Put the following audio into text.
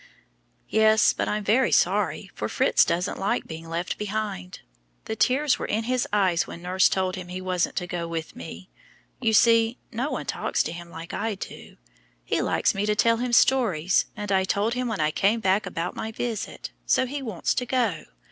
"Yes, but I'm very sorry, for Fritz doesn't like being left behind; the tears were in his eyes when nurse told him he wasn't to go with me. You see, no one talks to him like I do. He likes me to tell him stories, and I told him when I came back about my visit, so he wants to go.